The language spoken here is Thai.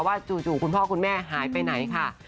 จู่คุณพ่อคุณแม่หายไปไหนค่ะ